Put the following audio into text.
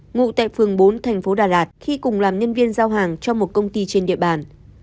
ngụ tại phường bốn thành phố đà lạt khi cùng làm nhân viên giao hàng cho một công ty trên địa bàn